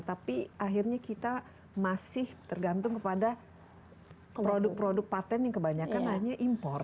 tapi akhirnya kita masih tergantung kepada produk produk patent yang kebanyakan hanya impor